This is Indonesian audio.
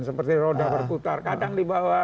iya jadi kata orang jawa itu cokro manggilingan